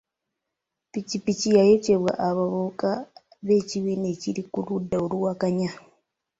Ppikipiki yayokyebwa abavubuka b'ekibiina ekiri ku ludda oluwakanya.